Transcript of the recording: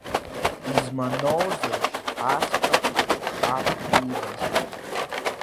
Измааноузеишь асҟатәи хаҳә иибаз?